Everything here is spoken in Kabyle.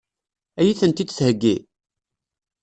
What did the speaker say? Ad iyi-tent-id-theggi?